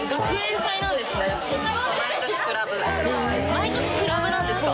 毎年クラブなんですか？